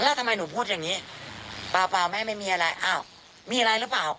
แล้วทำไมหนูพูดอย่างนี้เปล่าแม่ไม่มีอะไรอ้าวมีอะไรหรือเปล่า